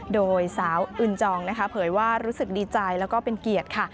โดยสาวอึนจองนะคะเผยว่ารู้สึกดีใจแล้วก็เป็นเกียรติค่ะ